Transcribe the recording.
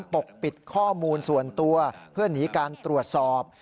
ปกปิดข้อมูลส่วนตัวเพื่อหนีการตรวจสอบ